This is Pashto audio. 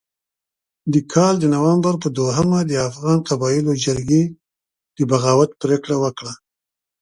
د کال د نومبر په دوهمه د افغان قبایلو جرګې د بغاوت پرېکړه وکړه.